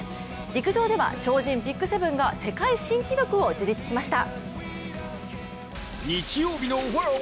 陸上では超人ＢＩＧ７が世界新記録を樹立しました。